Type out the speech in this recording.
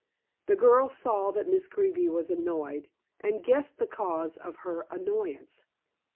The girl saw that Miss Greeby was annoyed, and guessed the cause of her annoyance.